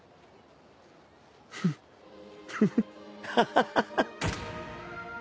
フッフフハハハハ。